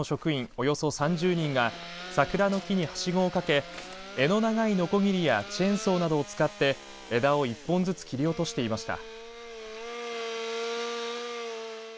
およそ３０人が桜の木に、はしごをかけて柄の長いのこぎりやチェーンソーなどを使って枝を１本ずつ切り落としてきました。